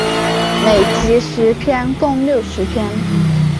每集十篇共六十篇。